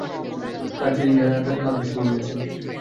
তার ছেলে ইয়াহইয়া তার পাশে ঘুমিয়ে আছেন।